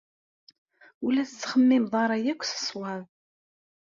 Ur la tettxemmimeḍ ara akk s ṣṣwab.